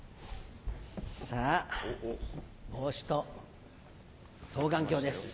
さぁ帽子と双眼鏡です。